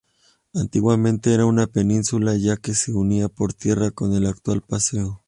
Antiguamente era una península ya que se unía por tierra con el actual paseo.